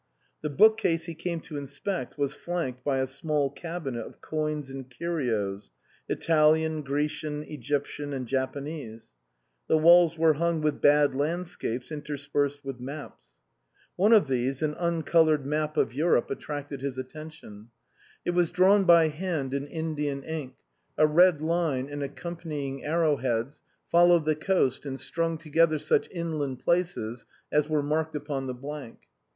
The bookcase he came to inspect was flanked by a small cabinet of coins and curios Italian, Grecian, Egyptian and Japanese ; the walls were hung with bad landscapes inter spersed with maps. One of these, an uncoloured map of Europe, 72 INLAND attracted his attention. It was drawn by hand in Indian ink, a red line and accompanying arrow heads followed the coast and strung together such inland places as were marked upon the blank.